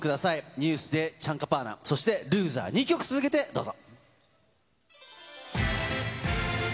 ＮＥＷＳでチャンカパーナ、そしてＬＯＳＥＲ、２曲続けてどうぞ。